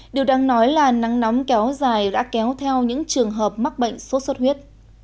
điều đang nói là nắng nóng kéo dài đã kéo theo những trường hợp mắc bệnh xuất xuất huyết